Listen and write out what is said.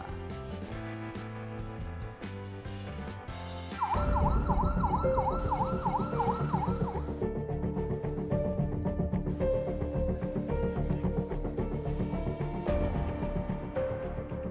selama pandemi masih berlangsung